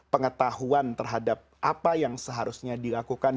pengetahuan terhadap apa yang seharusnya dilakukan